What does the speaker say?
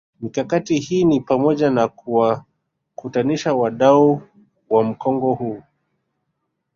Mikakati hii ni pamoja na kuwakutanisha wadau wa mkongo huu